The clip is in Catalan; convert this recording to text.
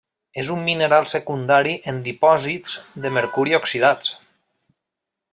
És un mineral secundari en dipòsits de mercuri oxidats.